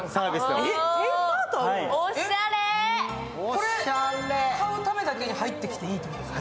これ、買うためだけに入ってきていいんですか？